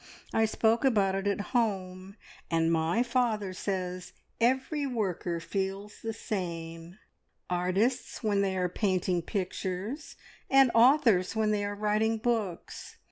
I spoke about it at home, and my father says every worker feels the same artists when they are painting pictures, and authors when they are writing books.